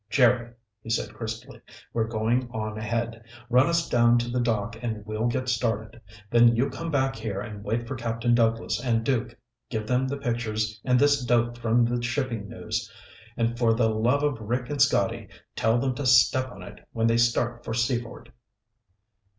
"Jerry," he said crisply, "we're going on ahead. Run us down to the dock and we'll get started. Then you come back here and wait for Captain Douglas and Duke. Give them the pictures and this dope from the shipping news, and for the love of Rick and Scotty, tell them to step on it when they start for Seaford!"